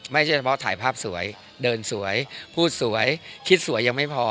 เฉพาะถ่ายภาพสวยเดินสวยพูดสวยคิดสวยยังไม่พอ